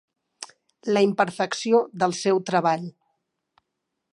La imperfecció del seu treball.